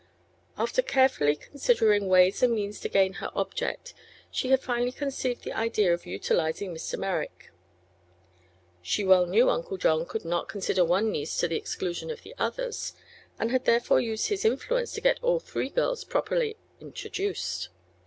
After carefully considering ways and means to gain her object she had finally conceived the idea of utilizing Mr. Merrick. She well knew Uncle John would not consider one niece to the exclusion of the others, and had therefore used his influence to get all three girls properly "introduced."